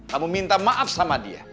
kamu minta maaf sama dia